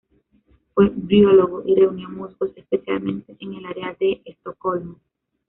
Fue briólogo y reunió musgos especialmente en el área de Estocolmo.